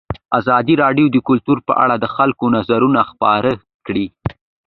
ازادي راډیو د کلتور په اړه د خلکو نظرونه خپاره کړي.